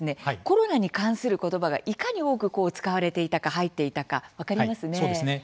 コロナに関する言葉がいかに多く使われていたか入っていたか、分かりますね。